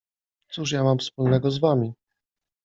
— Cóż ja mam wspólnego z wami?